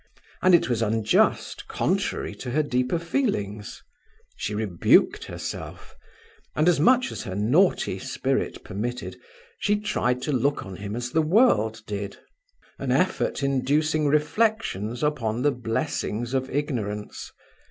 And it was unjust, contrary to her deeper feelings; she rebuked herself, and as much as her naughty spirit permitted, she tried to look on him as the world did; an effort inducing reflections upon the blessings of ignorance.